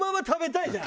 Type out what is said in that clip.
食べたい。